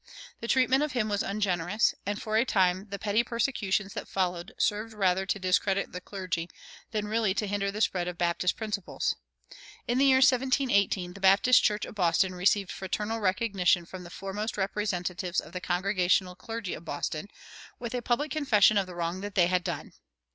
The treatment of him was ungenerous, and for a time the petty persecutions that followed served rather to discredit the clergy than really to hinder the spread of Baptist principles. In the year 1718 the Baptist church of Boston received fraternal recognition from the foremost representatives of the Congregational clergy of Boston, with a public confession of the wrong that they had done.